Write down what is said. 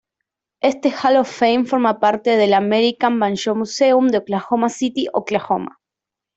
Este "Hall of Fame" forma parte del "American Banjo Museum" de Oklahoma City, Oklahoma.